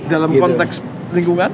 dalam konteks lingkungan